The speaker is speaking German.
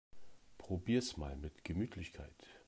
Probier's mal mit Gemütlichkeit!